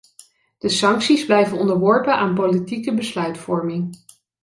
De sancties blijven onderworpen aan politieke besluitvorming.